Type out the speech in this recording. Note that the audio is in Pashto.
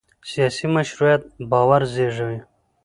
سیاسي مشروعیت باور زېږوي